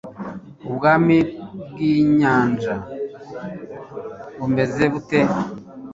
ubwami bw'inyanja bumeze bute